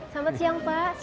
selamat siang pak